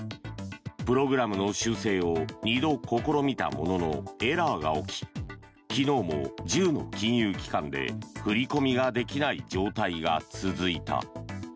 プログラムの修正を２度試みたものの、エラーが起き昨日も１０の金融機関で振り込みができない状態が続いた。